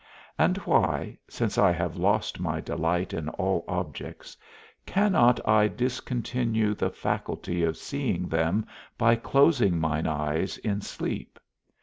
And why, since I have lost my delight in all objects, cannot I discontinue the faculty of seeing them by closing mine eyes in sleep?